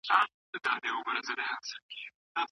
هغه د خپلو ورېښتانو په مینځلو بوخت دی.